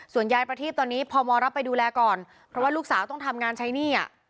ยายประทีพตอนนี้พมรับไปดูแลก่อนเพราะว่าลูกสาวต้องทำงานใช้หนี้อ่ะ